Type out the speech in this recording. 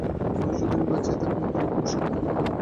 মানুষ যতদিন বাঁচিয়া থাকে, ততদিন খুব সুখে থাকিতে পারে।